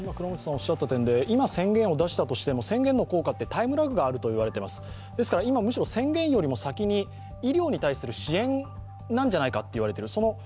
今、宣言を出したとしても宣言の効果ってタイムラグがあるといわれてます、ですから今、宣言よりも先に医療に対する支援なんじゃないかと言われている。